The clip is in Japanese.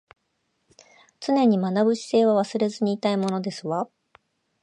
常に学ぶ姿勢は忘れずにいたいものですわ